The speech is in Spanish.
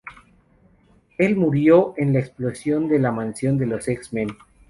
Él murió en la explosión de la mansión de los X-Men.